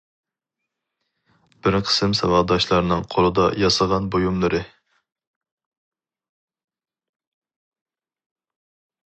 بىر قىسىم ساۋاقداشلارنىڭ قولدا ياسىغان بۇيۇملىرى.